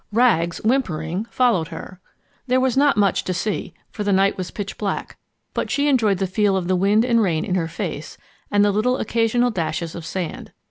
Rags, whimpering, followed her. There was not much to see, for the night was pitch black, but she enjoyed the feel of the wind and rain in her face and the little occasional dashes of sand.